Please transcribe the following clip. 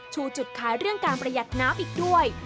จุดขายเรื่องการประหยัดน้ำอีกด้วย